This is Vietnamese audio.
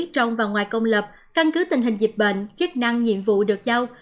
trong và ngoài công lập căn cứ tình hình dịch bệnh chức năng nhiệm vụ được giao